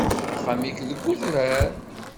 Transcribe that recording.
Axxam-ik deg udrar.